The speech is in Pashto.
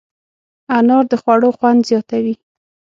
انار د خوړو خوند زیاتوي.